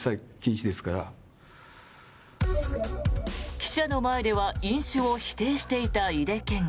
記者の前では飲酒を否定していた井手県議。